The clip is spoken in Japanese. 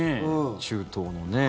中東のね。